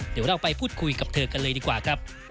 เดี๋ยวเราไปพูดคุยกับเธอกันเลยดีกว่าครับ